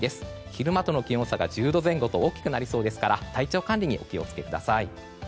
昼間との気温差が１０度前後と大きくなりそうですから体調管理にお気を付けください。